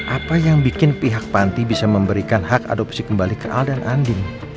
apa yang bikin pihak panti bisa memberikan hak adopsi kembali ke al dan andi